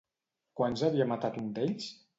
Quants havia matat un d'ells?